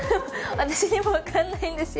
私にも分からないんですよ。